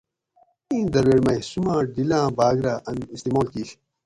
اِیں درویٹ مئی سوماں ڈِھیلاں بھاۤگ رہ اۤن استعمال کِیش